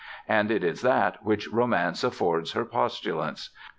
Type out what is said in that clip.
And it is that which romance affords her postulants.